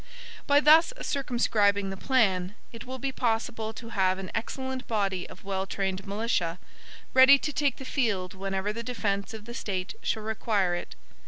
By thus circumscribing the plan, it will be possible to have an excellent body of well trained militia, ready to take the field whenever the defense of the State shall require it.